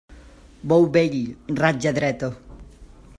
Bou vell, ratlla dreta.